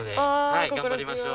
はい頑張りましょう。